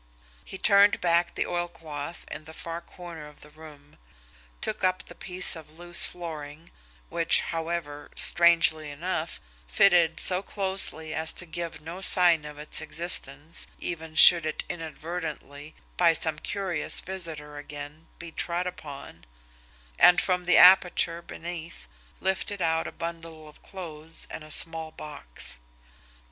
He turned back the oilcloth in the far corner of the room, took up the piece of loose flooring, which, however, strangely enough, fitted so closely as to give no sign of its existence even should it inadvertently, by some curious visitor again be trod upon; and from the aperture beneath lifted out a bundle of clothes and a small box.